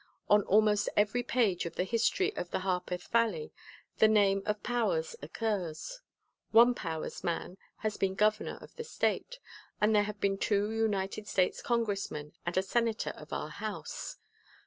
On almost every page of the history of the Harpeth Valley the name of Powers occurs. One Powers man has been governor of the state, and there have been two United States congressmen and a senator of our house.